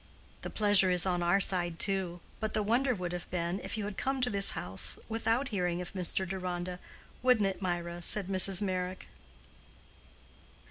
"The pleasure is on our side too; but the wonder would have been, if you had come to this house without hearing of Mr. Deronda—wouldn't it, Mirah?" said Mrs. Meyrick.